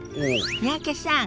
三宅さん